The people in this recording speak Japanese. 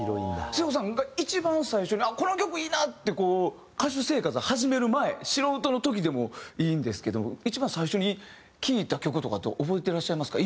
聖子さんが一番最初にあっこの曲いいな！ってこう歌手生活を始める前素人の時でもいいんですけど一番最初に聴いた曲とかって覚えてらっしゃいますか？